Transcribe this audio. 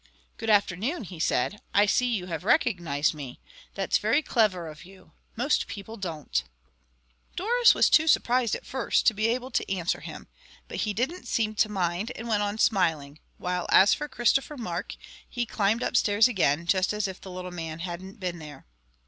"Good afternoon," he said. "I see you have recognized me. That's very clever of you. Most people don't." Doris was too surprised at first to be able to answer him. But he didn't seem to mind, and went on smiling; while as for Christopher Mark, he climbed upstairs again, just as if the little man hadn't been there.